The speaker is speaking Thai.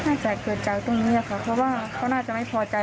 น่าจะเกิดจากตรงนี้ค่ะเพราะว่าเขาน่าจะไม่พอใจ